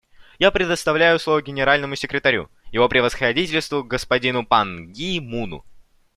Я предоставляю слово Генеральному секретарю Его Превосходительству господину Пан Ги Муну.